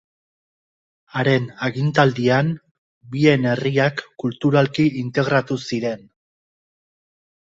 Haren agintaldian, bien herriak kulturalki integratu ziren.